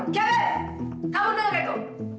kevin kamu dengerin itu